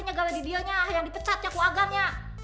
nyegara didirinya yang dipecat nyaku agannya